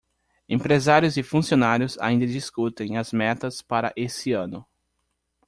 Empresários e funcionários ainda discutem as metas para esse ano.